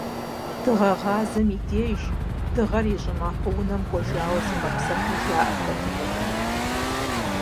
Дыгъэгъазэм и деж Дыгъэр и щӀымахуэ унэм кӀуэжауэ зигъэпсэхуу жаӀэрт адыгэхэм.